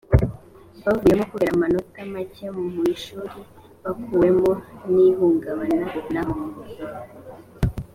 bavuyemo kubera amanota make mu ishuri bakuwemo n ihungabana naho